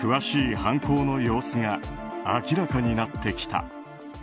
犯行の様子が明らかになってきた。